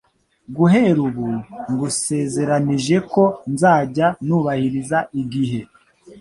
Guhera ubu, ngusezeranije ko nzajya nubahiriza igihe.